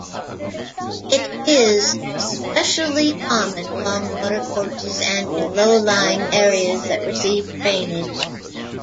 It is especially common along watercourses and in low-lying areas that receive drainage.